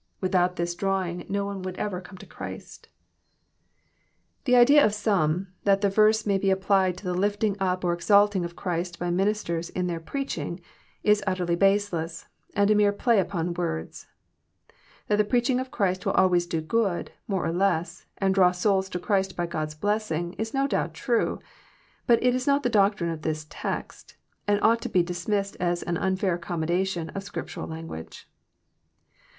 Without this drawing no one would ev er come to Christ. 356 EXPOsrroBT thoughts. The Idea of some, that the verse may be applied to the lifting tip or exalting of Christ by ministers in their preaching, is utterly baseless, and a mere play upon words. That the preaching of Christ will always do good, more or less, and draw sonls to Christ by God's blessing, Is no donbt trne. But it is not the doctrine of this text, and ought to be dismissed as an nnfair accommodation of Scriptural language.